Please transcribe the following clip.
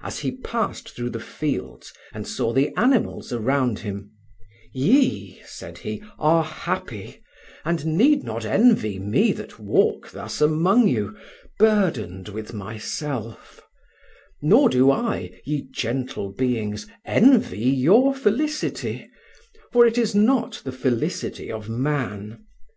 As he passed through the fields, and saw the animals around him, "Ye," said he, "are happy, and need not envy me that walk thus among you, burdened with myself; nor do I, ye gentle beings, envy your felicity; for it is not the felicity of man.